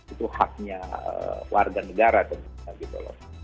itu haknya warga negara tentunya gitu loh